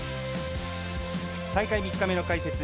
大会３日目の解説